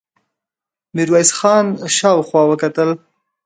ميرويس خان شاوخوا وکتل.